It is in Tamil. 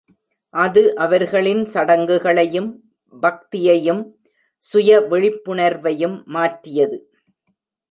அது அவர்களின் சடங்குகளையும், பக்தியையும், சுய விழிப்புணர்வையும் மாற்றியது.